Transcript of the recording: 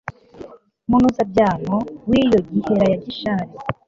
munozabyano w'iyo gihera ya gishari